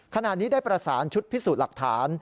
ขณะนี้ได้ประสานชุดพิสูจน์หลักฐาน